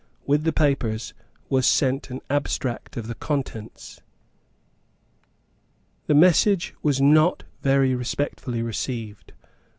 With the papers was sent an abstract of the contents. The message was not very respectfully received.